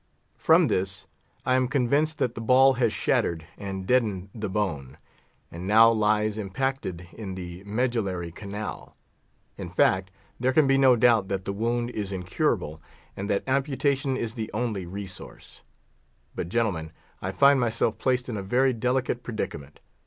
From this, I am convinced that the ball has shattered and deadened the bone, and now lies impacted in the medullary canal. In fact, there can be no doubt that the wound is incurable, and that amputation is the only resource. But, gentlemen, I find myself placed in a very delicate predicament.